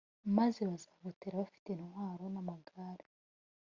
maze bazagutera bafite intwaro n’amagare